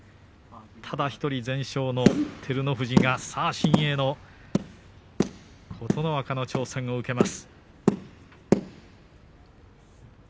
ただ１人全勝の照ノ富士がさあ新鋭の琴ノ若の挑戦を受けます。